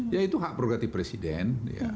ya itu hak prerogatif presiden